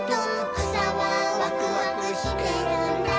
「くさはワクワクしてるんだ」